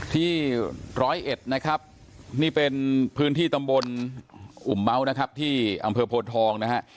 ที่ร้อยเอ็ดนะครับนี่เป็นพื้นที่ตำบลอุ่มเมาส์นะครับที่อำเภอโพนทองนะฮะ